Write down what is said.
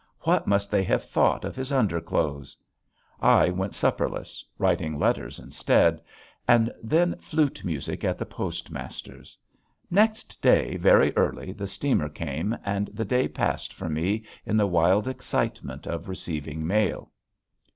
What must they have thought of his underclothes! I went supperless writing letters instead. And then flute music at the postmaster's. Next day very early the steamer came and the day passed for me in the wild excitement of receiving mail.